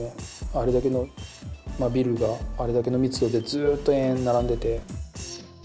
あれだけのビルがあれだけの密度でずっと延々並んでて。